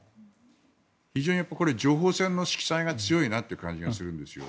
非常に情報戦の色彩が強いなという感じがするんですよ。